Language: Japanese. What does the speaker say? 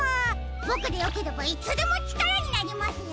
ボクでよければいつでもちからになりますよ！